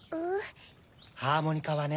ハーモニカはね